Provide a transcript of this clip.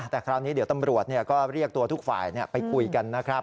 แต่คราวนี้เดี๋ยวตำรวจก็เรียกตัวทุกฝ่ายไปคุยกันนะครับ